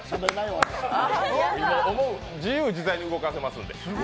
自由自在に動かせますんで。